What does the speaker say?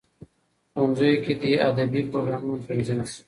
ښوونځیو کې دي ادبي پروګرامونه تنظیم سي.